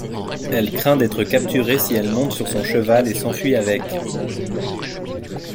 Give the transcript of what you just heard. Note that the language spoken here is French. Elle craint d’être capturée si elle monte sur son cheval et s’enfuit avec.